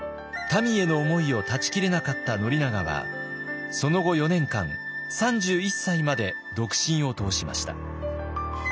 たみへの思いを断ち切れなかった宣長はその後４年間３１歳まで独身を通しました。